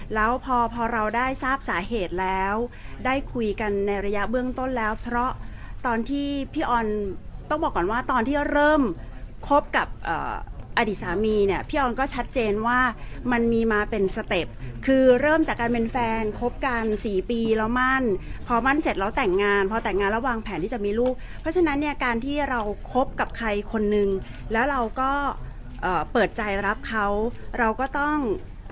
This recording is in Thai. แล้วพอพอเราได้ทราบสาเหตุแล้วได้คุยกันในระยะเบื้องต้นแล้วเพราะตอนที่พี่ออนต้องบอกก่อนว่าตอนที่เริ่มคบกับอดีตสามีเนี่ยพี่ออนก็ชัดเจนว่ามันมีมาเป็นสเต็ปคือเริ่มจากการเป็นแฟนคบกันสี่ปีแล้วมั่นพอมั่นเสร็จแล้วแต่งงานพอแต่งงานแล้ววางแผนที่จะมีลูกเพราะฉะนั้นเนี่ยการที่เราคบกับใครคนนึงแล้วเราก็เอ่อเปิดใจรับเขาเราก็ต้อง